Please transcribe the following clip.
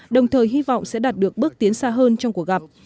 đồng thời hy vọng sẽ đạt được bước tiến xa hơn trong cuộc gặp